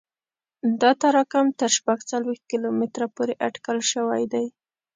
دا تراکم تر شپږ څلوېښت کیلومتره پورې اټکل شوی دی